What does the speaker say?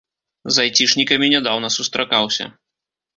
З айцішнікамі нядаўна сустракаўся.